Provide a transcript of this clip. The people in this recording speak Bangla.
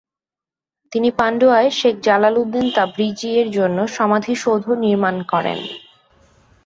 তিনি পান্ডুয়ায় শেখ জালালুদ্দীন তাবরিজি এর জন্য সমাধিসৌধ নির্মাণ করেন।